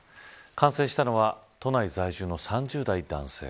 感染者のは都内在住の３０代男性。